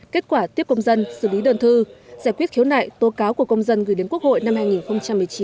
kết quả tiếp công dân xử lý đơn thư giải quyết khiếu nại tố cáo của công dân gửi đến quốc hội năm hai nghìn một mươi chín